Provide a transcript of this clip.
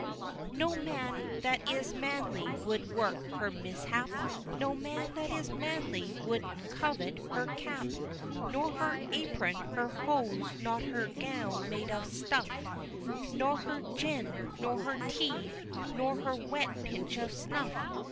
No man that is manly would work her mishap No man that is manly would covet her cap Nor her apron her hose nor her gown made of stuff Nor her gin nor her tea nor her wet pinch of snuff!